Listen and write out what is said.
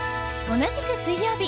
同じく水曜日。